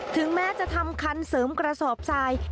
ถึงแม้จะทำคันเสริมกระสอบทราย